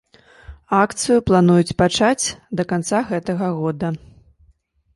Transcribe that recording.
Акцыю плануюць пачаць да канца гэтага года.